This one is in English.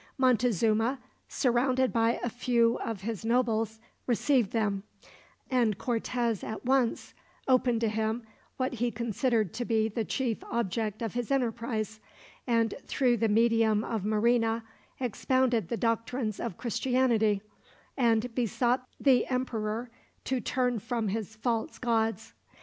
Montezuma, surrounded by a few of his nobles, received them; and Cortez at once opened to him what he considered to be the chief object of his enterprise, and through the medium of Marina expounded the doctrines of Christianity, and besought the emperor to turn from his false gods.